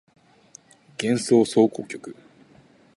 幻想即興曲